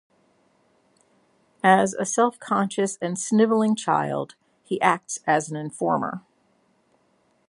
As a self-conscious and snivelling child, he acts as an informer.